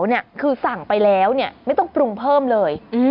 ก๋วยเตี๋ยวเนี่ยคือสั่งไปแล้วเนี่ยไม่ต้องปรุงเพิ่มเลย